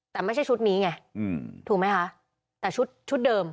แต่ไม่ใช่ชุดนี้ไงถูกไหมคะแต่ชุดชุดเดิม